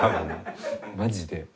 マジで。